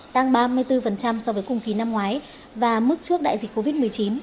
tăng ba mươi bốn so với cùng kỳ năm ngoái và mức trước đại dịch covid một mươi chín